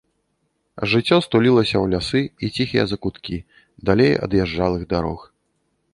Жыццё стулілася ў лясы і ціхія закуткі, далей ад язджалых дарог.